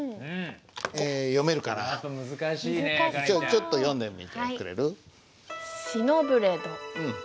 ちょっと読んでみてくれる？